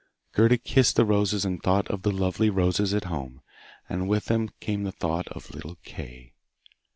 Gerda kissed the roses and thought of the lovely roses at home, and with them came the thought of little Kay.